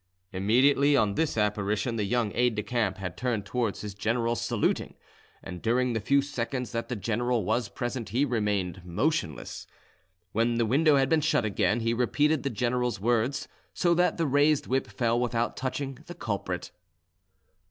Immediately on this apparition the young aide de camp had turned towards his general, saluting, and during the few seconds that the general was present he remained motionless. When the window had been shut again, he repeated the general's words, so that the raised whip fell without touching the culprit.